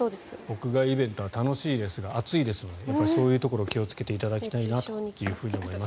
屋外イベントは楽しいですが暑いですのでそういうところ気をつけていただきたいなと思います。